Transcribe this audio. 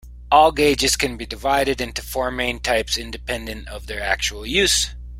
All gauges can be divided into four main types, independent of their actual use.